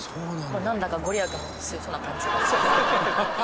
なんだか御利益の強そうな感じがしますね。